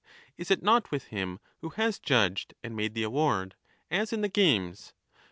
Is it not with him who has judged and made the award, as in the games ?